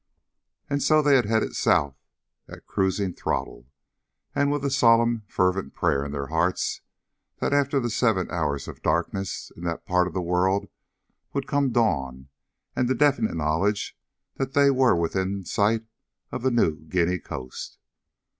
And so they had headed south at cruising throttle, and with a solemn, fervent prayer in their hearts that after the seven hours of darkness in that part of the world would come dawn and the definite knowledge that they were within sight of the New Guinea coast.